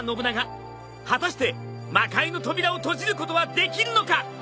果たして魔界の扉を閉じることはできるのか？